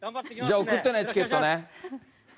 じゃあ送ってね、チケットね。